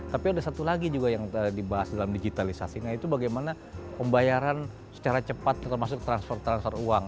tapi ada satu lagi juga yang dibahas dalam digitalisasi yaitu bagaimana pembayaran secara cepat termasuk transfer transfer uang